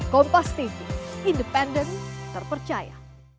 kompas tv independen terpercaya